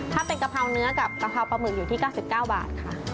ถ้าเป็นกะเพราเนื้อกับกะเพราปลาหมึกอยู่ที่๙๙บาทค่ะ